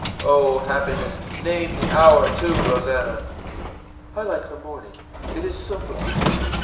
î ìOh, happiness! Name the hour, too, Rosannah.î ìI like the morning, it is so blithe.